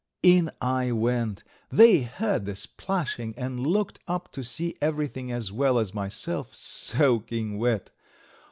In I went. They heard the splashing and looked up to see everything as well as myself soaking wet.